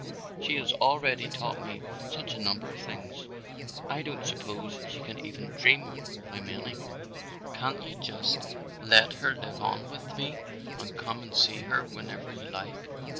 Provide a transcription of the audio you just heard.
She has already taught me such a number of things, I don't suppose she can even dream how many! Can't you just let her live on with me and come and see her whenever you like?"